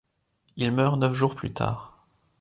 Il meurt neuf jours plus tard.